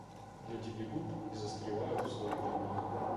Люди бегут и застревают в своих домах.